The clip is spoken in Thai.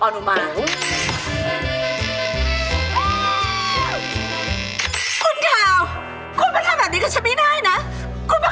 แล้วนางเอกนางเอกจะชอบชื่ออะไร